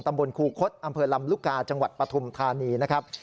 ตำบลครูคสอำเภอลำลุกาจังหวัดปฐมธานีนะครับ